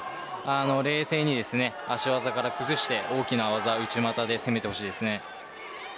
冷静に足技から崩して大きな技を内股で攻めてほしいです。